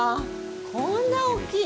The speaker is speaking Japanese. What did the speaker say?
こんな大きい。